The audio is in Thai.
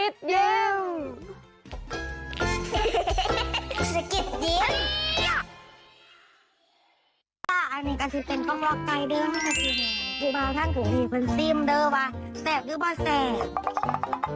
แซ่บหรือเปล่าแซ่บ